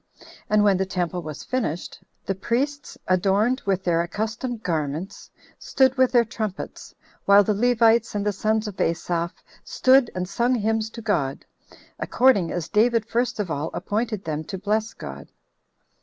And when the temple was finished, the priests, adorned with their accustomed garments, stood with their trumpets, while the Levites, and the sons of Asaph, stood and sung hymns to God, according as David first of all appointed them to bless God.